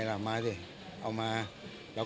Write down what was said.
ได้มาที่ความถึงต้องหรือยังไงกระต่าง